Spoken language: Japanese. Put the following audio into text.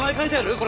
これ。